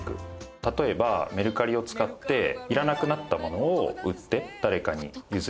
例えばメルカリを使っていらなくなったものを売って誰かに譲り渡したりですとか